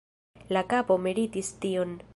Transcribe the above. La kapo meritis tion.